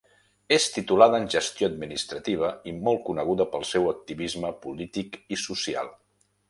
És titulada en Gestió Administrativa i molt coneguda pel seu activisme polític i social.